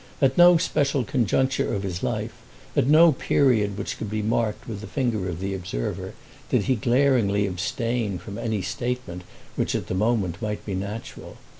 At no special conjuncture of his life, at no period which could be marked with the finger of the observer, did he glaringly abstain from any statement which at the moment might be natural.